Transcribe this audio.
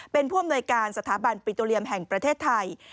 เป็นผู้อำนวยการสถาบันปิโตเรียมแห่งประเทศไทย